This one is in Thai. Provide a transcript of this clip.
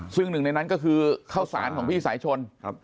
ซึ่งหนึ่งในนั้นก็คือข้าวสารของพี่สายชน